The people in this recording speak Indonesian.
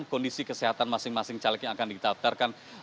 kondisi kesehatan masing masing caleg yang akan di daftarkan